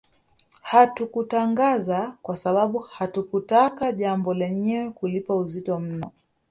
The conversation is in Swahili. Hatukutangaza kwa sababu hatukutaka jambo lenyewe kulipa uzito mno